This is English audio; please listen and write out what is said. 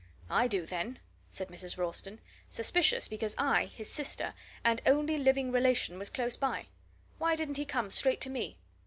"I do, then!" said Mrs. Ralston. "Suspicious, because I, his sister, and only living relation, was close by. Why didn't he come straight to me?